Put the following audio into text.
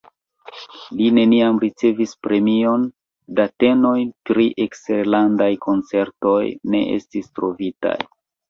Li neniam ricevis premion, datenoj pri eksterlandaj koncertoj ne estis trovitaj.